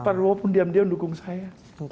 pak prabowo pun diam diam dukung saya